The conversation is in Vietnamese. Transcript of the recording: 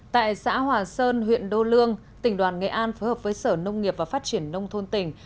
tại xã hòa sơn huyện đô lương tỉnh đoàn nghệ an phối hợp với sở nông nghiệp và phát triển nông thôn tỉnh